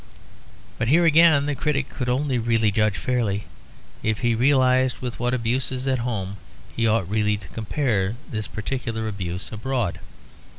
But here again the critic could only really judge fairly if he realised with what abuses at home he ought really to compare this particular abuse abroad.